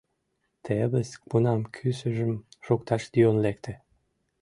Тевыс кунам кӱсыжым шукташ йӧн лекте.